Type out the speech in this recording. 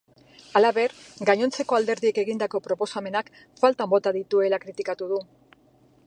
Halaber, gainontzeko alderdiek egindako proposamenak faltan bota dituela kritikatu du.